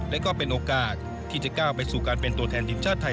และก็เป็นโอกาสที่จะก้าวไปสู่การเป็นตัวแทนทีมชาติไทย